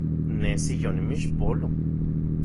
Nesi yonimixpolo